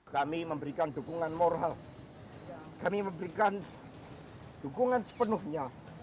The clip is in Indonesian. kami memberikan dukungan moral kami memberikan dukungan sepenuhnya